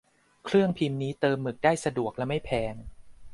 เครื่องพิมพ์นี้เติมหมึกได้สะดวกและไม่แพง